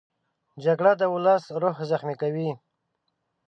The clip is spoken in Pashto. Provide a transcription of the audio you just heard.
جګړه د ولس روح زخمي کوي